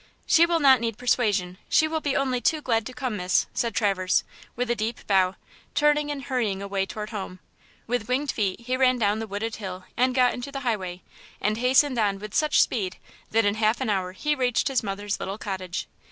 "She will not need persuasion; she will be only too glad to come, miss," said Traverse, with a deep bow, turning and hurrying away toward home. With "winged feet" he ran down the wooded hill and got into the highway, and hastened on with such speed that in half an hour he reached his mother's little cottage.